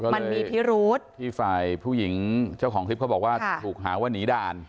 มันมีพิรุษที่ฝ่ายผู้หญิงเจ้าของคลิปเขาบอกว่าถูกหาว่าหนีด่าน